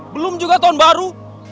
belum juga tahun baru